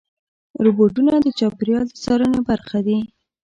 روبوټونه د چاپېریال د څارنې برخه دي.